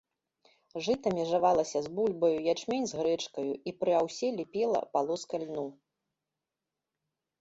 Жыта межавалася з бульбаю, ячмень з грэчкаю, і пры аўсе ліпела палоска льну.